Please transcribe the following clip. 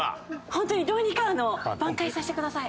ホントにどうにかあの挽回させてください！